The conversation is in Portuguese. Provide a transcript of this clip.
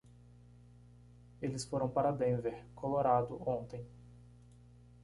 Eles foram para Denver, Colorado ontem.